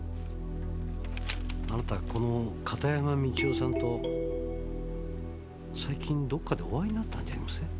あなたこの片山美千代さんと最近どっかでお会いになったんじゃありません？